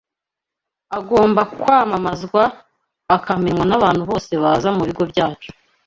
agomba kwamamazwa akamenywa n’abantu bose baza mu bigo byacu